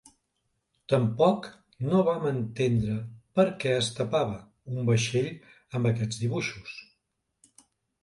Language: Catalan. Tampoc no vam entendre per què es tapava, un vaixell amb aquests dibuixos.